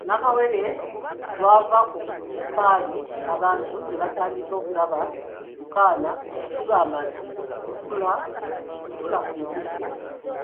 Nakawere lw’ava ku kaali abantu ne batandika okulaba ku kaana tugamba nti Kusula ku Ntujjo.